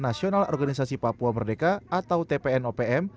nasional organisasi papua merdeka atau tpn opm